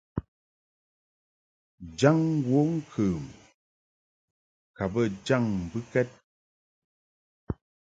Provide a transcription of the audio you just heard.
Jaŋ wəŋkəm ka bə jaŋ mbɨkɛd.